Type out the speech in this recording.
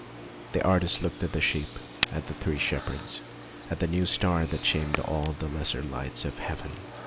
The artist looked at the sheep, at the three shepherds, at the new star that shamed all the lesser lights of heaven.